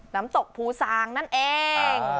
น้ำตกภูซางนั่นเอง